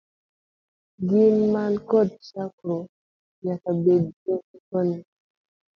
Gin man kod chakruok nyaka bed gi gikone.